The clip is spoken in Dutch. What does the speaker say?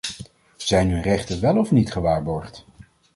Zijn hun rechten wel of niet gewaarborgd?